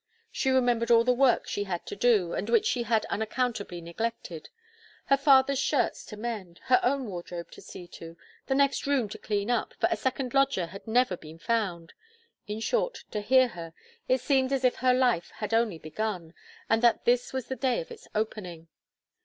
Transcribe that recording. She remembered all the work she had to do, and which she had unaccountably neglected. Her father's shirts to mend, her own wardrobe to see to; the next room to clean up, for a second lodger had never been found; in short, to hear her, it seemed as if her life had only begun, and that this was the day of its opening.